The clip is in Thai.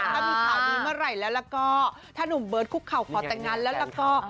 ถ้ามีข่าวดีเมื่อไหร่แล้วก็ถ้านุ่มเบิร์ตคุกเข่าขอแต่งงานแล้วแล้วก็